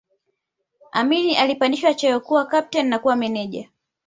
Amin alipandishwa cheo kuwa kapteni na kuwa meja